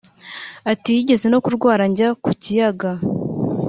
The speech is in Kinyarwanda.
Ati “Yigeze no kurwara njya ku kiyaga